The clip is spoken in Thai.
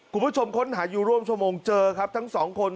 คุณผู้ชมค้นหาอยู่ร่วมชั่วโมงเจอครับทั้งสองคน